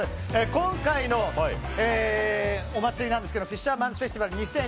今回のお祭りなんですがフィッシャーマンズフェスティバル２０２２。